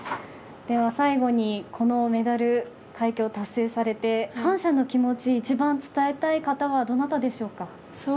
では、最後にこのメダル快挙を達成されて感謝の気持ち一番伝えたい方はどなたでしょうか。